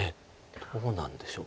どうなんでしょう。